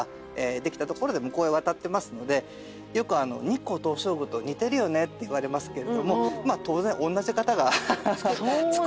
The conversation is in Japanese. できたところで向こうへ渡っていますのでよく日光東照宮と似てるよねって言われますけれども当然同じ方が造ってはおりますので。